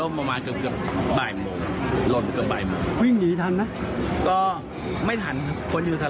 เมื่อเมื่อเมื่อเมื่อเมื่อ